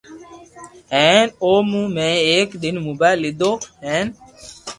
ھين اومون ۾ ايڪ دن موبائل ليدو ھين